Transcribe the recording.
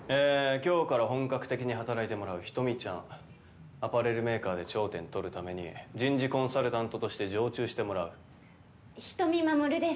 今日から本格的に働いてもらう人見ちゃんアパレルメーカーで頂点取るために人事コンサルタントとして常駐してもらう人見まもるです